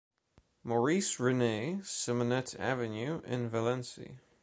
Maurice René Simonet Avenue in Valence